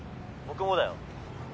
僕もだよ。